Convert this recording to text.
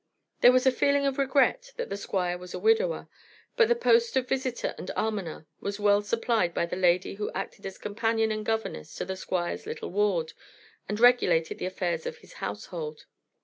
There was a feeling of regret that the Squire was a widower, but the post of visitor and almoner was well supplied by the lady who acted as companion and governess to the Squire's little ward and regulated the affairs of his household.